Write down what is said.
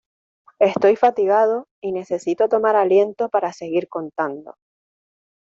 Estoy fatigado y necesito tomar aliento para seguir contando.